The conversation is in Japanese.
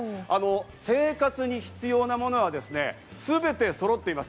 生活に必要なものはすべてそろっています。